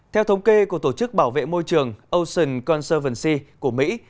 theo thống kê của tổ chức bảo vệ môi trường ocean conservancy của mỹ